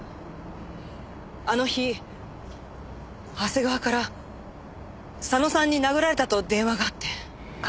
あの日長谷川から佐野さんに殴られたと電話があって。